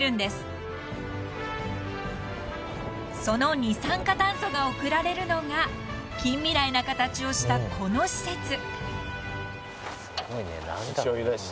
［その二酸化炭素が送られるのが近未来な形をしたこの施設］